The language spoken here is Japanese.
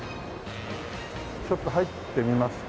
ちょっと入ってみますか。